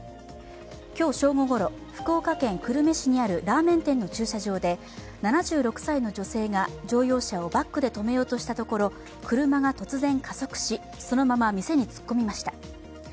今日正午ごろ、福岡県久留米市にあるラーメン店の駐車場で７６歳の女性が乗用車をバックで止めようとしたところ、車が突然加速しそのまま店に突っ込みました。